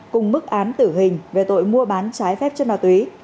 cùng mức án tử hình về tội mua bán trái phép chất ma túy